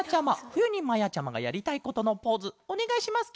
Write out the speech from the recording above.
ふゆにまやちゃまがやりたいことのポーズおねがいします